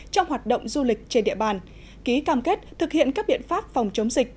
trong hoạt động du lịch trên địa bàn ký cam kết thực hiện các biện pháp phòng chống dịch